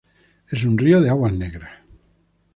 Es un río de aguas negras.